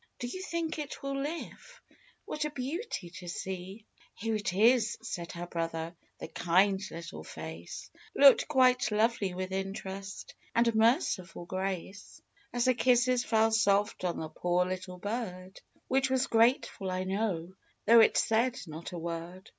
Do you think it will live ? What a beauty to see !" "Here it is," said her brother; the kind little face Looked quite lovely with interest, and merciful grace, As her kisses fell soft on the poor little bird ; Which was grateful, I know, though it said not a word.